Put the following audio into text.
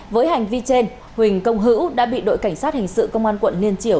với hành vi trên huỳnh công hữu đã bị đội cảnh sát hình sự công an quận liên triểu